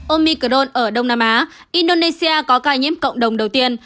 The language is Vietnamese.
omicron ở đông nam á indonesia có ca nhiễm cộng đồng đầu tiên